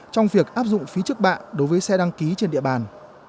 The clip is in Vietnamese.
trong việc áp dụng phí trước bạ đối với xe đăng ký trên địa bàn